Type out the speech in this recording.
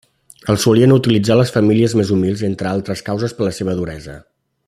El solien utilitzar les famílies més humils entre altres causes per la seva duresa.